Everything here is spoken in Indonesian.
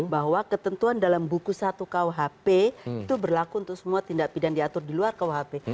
bahwa ketentuan dalam buku satu kuhp itu berlaku untuk semua tindak pidana diatur di luar kuhp